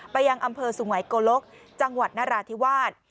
ยังอำเภอสุงัยโกลกจังหวัดนราธิวาส